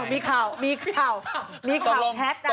อ้าวมีข่าวมีข่าวมีข่าวแพทย์นะ